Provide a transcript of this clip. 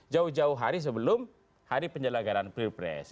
jauh jauh hari sebelum hari penjelagaran pilpres